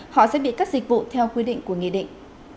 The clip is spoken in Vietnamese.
họ sẽ bị cắt dịch vụ theo quy định của nghị định